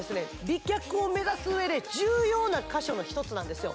美脚を目指す上で重要な箇所の一つなんですよ